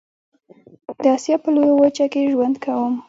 د آسيا په لويه وچه کې ژوند کوم.